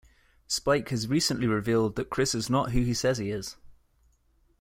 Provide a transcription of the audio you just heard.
Spike has recently revealed that Chris is not who he says he is.